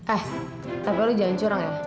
eh tapi lu jangan curang ya